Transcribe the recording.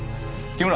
木村。